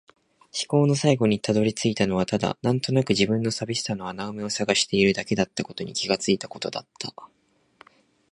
思考の最後に辿り着いたのはただ、なんとなくの自分の寂しさの穴埋めを探しているだけだったことに気がついたことだった。